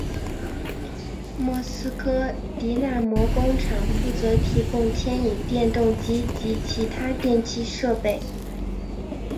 莫斯科迪纳摩工厂负责提供牵引电动机及其他电气设备。